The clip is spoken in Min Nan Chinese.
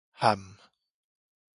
譀